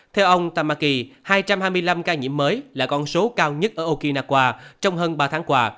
theo ông tammaki hai trăm hai mươi năm ca nhiễm mới là con số cao nhất ở okinawa trong hơn ba tháng qua